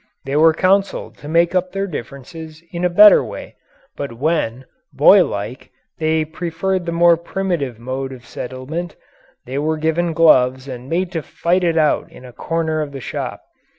They were counseled to make up their differences in a better way, but when, boy like, they preferred the more primitive mode of settlement, they were given gloves and made to fight it out in a corner of the shop.